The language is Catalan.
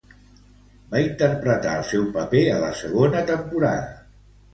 Va interpretar el seu paper a la segona temporada.